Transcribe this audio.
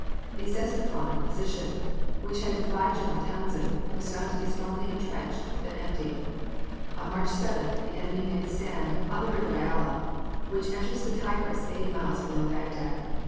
The Ctesiphon position, which had defied General Townshend, was found to be strongly intrenched, but empty. On March 7th the enemy made a stand on the River Diala, which enters the Tigris eight miles below Bagdad.